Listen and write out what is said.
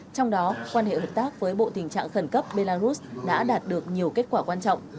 trong đó quan hệ hợp tác với bộ tình trạng khẩn cấp belarus đã đạt được nhiều kết quả quan trọng